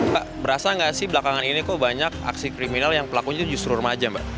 pak berasa nggak sih belakangan ini kok banyak aksi kriminal yang pelakunya justru remaja mbak